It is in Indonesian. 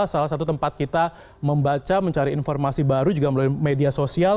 salah satu tempat kita membaca mencari informasi baru juga melalui media sosial